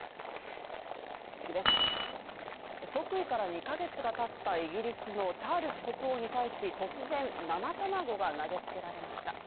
即位から２か月がたったイギリスのチャールズ国王に対し突然、生卵が投げつけられました。